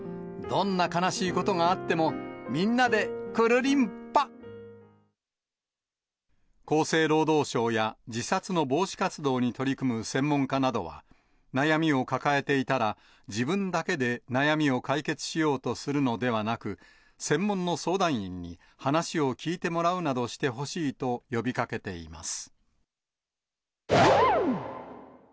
どんな悲しいことがあっても、厚生労働省や、自殺の防止活動に取り組む専門家などは、悩みを抱えていたら、自分だけで悩みを解決しようとするのではなく、専門の相談員に話を聞いてもらうなどしてほしいと呼びかけています。